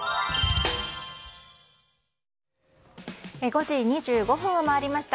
５時２５分を回りました。